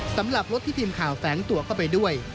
สำหรับรถที่ทีมข่าวแฝงตัวเข้าไปด้วย